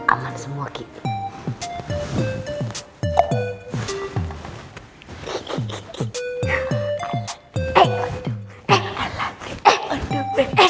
aman semua kita